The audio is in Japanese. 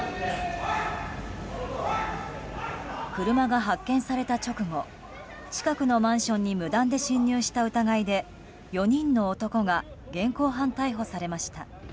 車が発見された直後近くのマンションに無断で侵入した疑いで４人の男が現行犯逮捕されました。